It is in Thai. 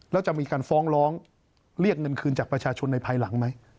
แล้วจะมีการฟ้องร้องเรียกเงินคืนจากประชาชนในภายหลังไหม